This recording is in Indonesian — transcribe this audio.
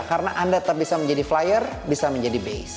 karena anda tetap bisa menjadi flyer bisa menjadi base